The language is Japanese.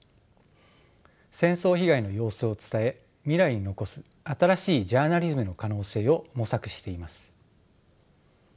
戦争被害の様子を伝え未来に残す新しいジャーナリズムの可能性を模索しています。